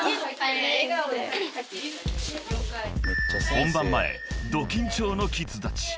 ［本番前ど緊張のキッズたち］